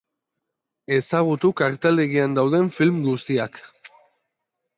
Ezagutu karteldegian dauden film guztiak.